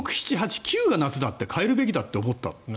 ６、７、８、９が夏ですって変えるべきだって思った。